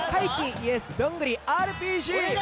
ＹｅｓどんぐりＲＰＧ